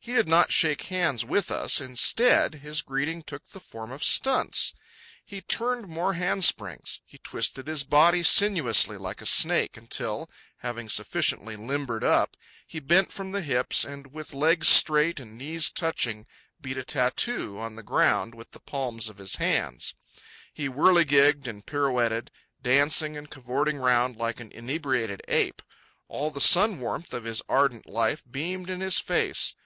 He did not shake hands with us; instead, his greeting took the form of stunts. He turned more handsprings. He twisted his body sinuously, like a snake, until, having sufficiently limbered up, he bent from the hips, and, with legs straight and knees touching, beat a tattoo on the ground with the palms of his hands. He whirligigged and pirouetted, dancing and cavorting round like an inebriated ape. All the sun warmth of his ardent life beamed in his face.